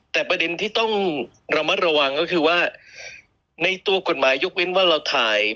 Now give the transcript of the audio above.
แต่ประเด็นที่ต้องระมัดระวังก็คือว่าในตัวกฎหมายยกเว้นว่าเราถ่าย